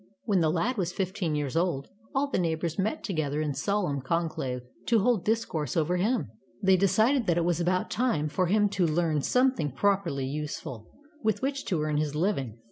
When the lad was fifteen years old, all the neighbors met together in solemn con clave to hold discourse over him. They decided that it was about time for him to learn something properly useful, with which to earn his living.